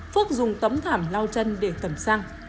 phước dùng tấm thảm lau chân để tẩm xăng